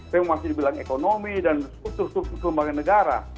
reformasi di bidang ekonomi dan struktur struktur kelembagaan negara